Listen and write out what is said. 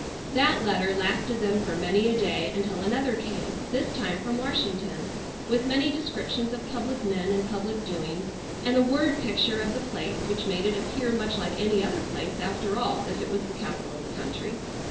That letter lasted them for many a day until another came, this time from Washington, with many descriptions of public men and public doings, and a word picture of the place which made it appear much like any other place after all if it was the capitol of the country.